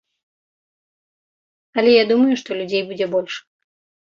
Але я думаю, што людзей будзе больш.